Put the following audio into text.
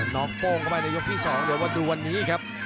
โป้งเข้าไปในยกที่๒เดี๋ยวมาดูวันนี้ครับ